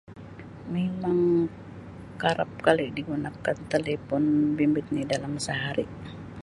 Memang kerap kali digunakan telepon bimbit ni dalam sehari.